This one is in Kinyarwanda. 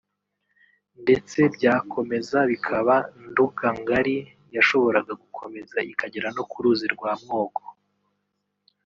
ndetse byakomeza bikaba Nduga-Ngari yashoboraga gukomeza ikagera no ku ruzi rwa Mwogo